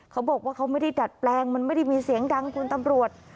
เขาบอกว่าเขาไม่ได้ดัดแปลงมันไม่ได้มีเสียงดังคุณตำรวจ